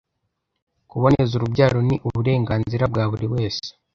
kuboneza urubyaro ni uburenganzira bwa buri wese